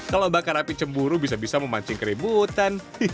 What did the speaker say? kalau bakar api cemburu bisa bisa memancing keributan